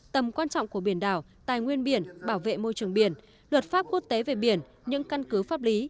tầm quan trọng của biển đảo tài nguyên biển bảo vệ môi trường biển luật pháp quốc tế về biển những căn cứ pháp lý